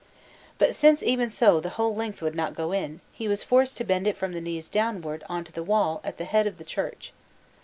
But since, even so, the whole length would not go in, he was forced to bend it from the knees downwards on to the wall at the head of the church.